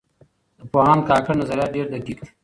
د پوهاند کاکړ نظریات ډېر دقیق دي.